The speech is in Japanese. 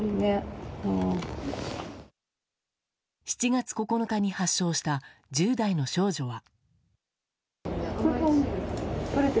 ７月９日に発症した１０代の少女は。